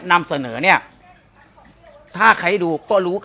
นำเสนอเนี่ยถ้าใครดูก็รู้